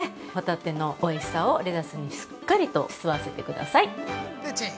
これをかけてホタテのおいしさをレタスにしっかりと吸わせてください。